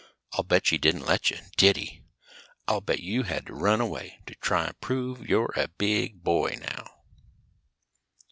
I'll bet he didn't let you, did he? I'll bet you had to run away to try to prove you're a big boy now."